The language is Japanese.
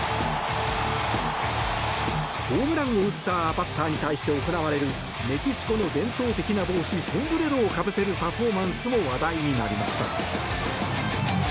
ホームランを打ったバッターに対して行われるメキシコの伝統的な帽子ソンブレロをかぶせるパフォーマンスも話題になりました。